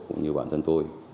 cũng như bản thân tôi